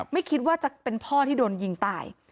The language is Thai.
ไม่คิดว่าจะเป็นพ่อที่โดนยิงตาย